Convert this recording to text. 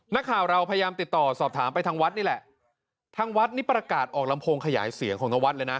นักข่าวเราพยายามติดต่อสอบถามไปทางวัดนี่แหละทางวัดนี่ประกาศออกลำโพงขยายเสียงของนวัดเลยนะ